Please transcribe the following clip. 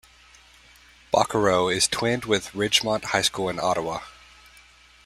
Bokoro is twinned with Ridgemont High School in Ottawa.